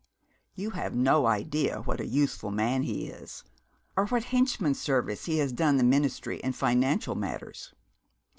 You have no idea what a useful man he is, or what henchman's service he has done the Ministry in financial matters.